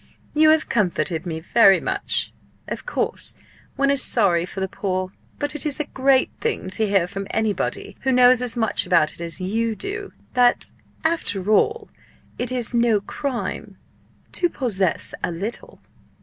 You have comforted me very much! Of course one is sorry for the poor; but it is a great thing to hear from anybody who knows as much about it as you do, that after all it is no crime to possess a little!"